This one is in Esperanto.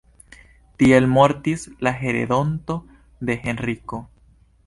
Tiel mortis la heredonto de Henriko.